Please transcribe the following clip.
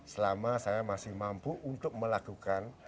selama saya masih mampu untuk melakukan